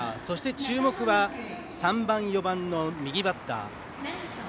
そして注目は３番、４番の右バッター。